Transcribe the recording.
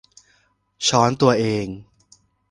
ช้อนตัวเอง